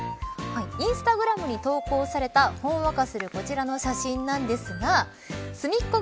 インスタグラムに投稿されたほんわかするこちらの写真なんですがすみっコ